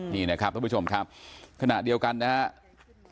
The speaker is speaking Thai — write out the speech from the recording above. นี่นะครับท่านผู้ชมครับขณะเดียวกันนะครับ